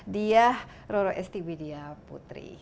dia roro esti widya putri